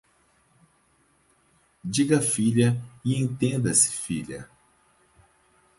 Diga filha e entenda-se filha.